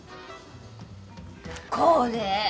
これ！